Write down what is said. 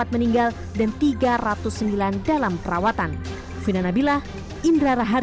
empat meninggal dan tiga ratus sembilan dalam perawatan